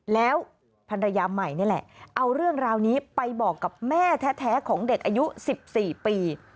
แล้วภรรยาใหม่นี่แหละเอาเรื่องราวนี้ไปบอกกับแม่แท้ของเด็กอายุ๑๔ปี